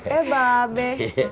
eh mbak be